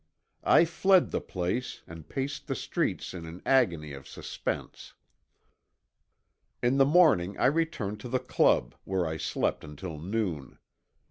I fled the place and paced the streets in an agony of suspense. In the morning I returned to the Club, where I slept until noon.